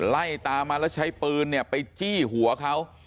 ไล่ตามมาแล้วใช้ปืนเนี่ยไปจี้หัวเขา